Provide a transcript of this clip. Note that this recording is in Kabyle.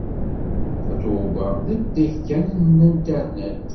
Tatoeba d adeg kan n Internet.